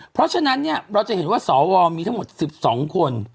เพราะฉะนั้นเนี่ยเราจะเห็นว่าสวมีทั้งหมด๑๒คน